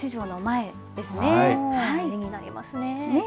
絵になりますね。